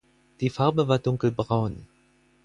Die Farbe war dunkelbraun.